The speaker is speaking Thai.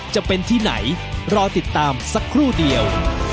จะเป็นที่ไหนรอติดตามสักครู่เดียว